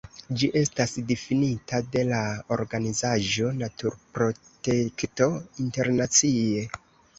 Ĝi estas difinita de la organizaĵo Naturprotekto Internacie.